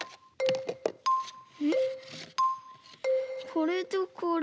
これとこれ。